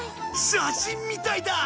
写真みたいだ。